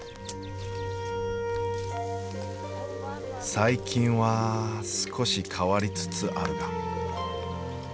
最近は少し変わりつつあるが。